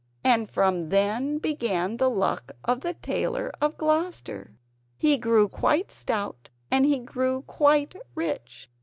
And from then began the luck of the Tailor of Gloucester; he grew quite stout, and he grew quite rich.